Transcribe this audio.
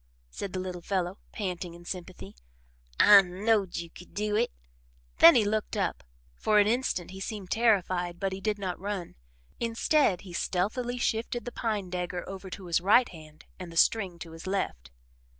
said the little fellow, panting in sympathy. "I knowed you could do it." Then he looked up. For an instant he seemed terrified but he did not run. Instead he stealthily shifted the pine dagger over to his right hand and the string to his left.